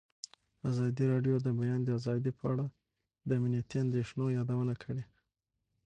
ازادي راډیو د د بیان آزادي په اړه د امنیتي اندېښنو یادونه کړې.